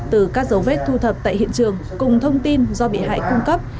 từ các dấu vết thu thập tại hiện trường cùng thông tin do bị hại cung cấp